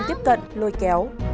tiếp cận lôi kéo